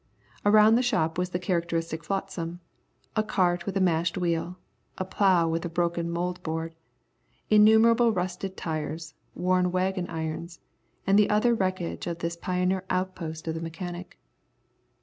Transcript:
Around the shop was the characteristic flotsam, a cart with a mashed wheel, a plough with a broken mould board, innumerable rusted tires, worn wagon irons, and the other wreckage of this pioneer outpost of the mechanic.